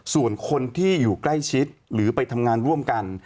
ส่วนคนที่อยู่ใกล้ชิดหรือไปทำงานร่วมกัน